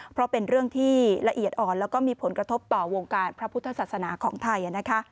เพราะเป็นเรื่องที่ละเอียดอ่อนแล้วก็มีผลกระทบต่อวงการพระพุทธศาสนาของไทยนะคะ